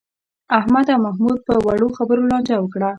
احمد او محمود په وړو خبرو لانجه وکړه.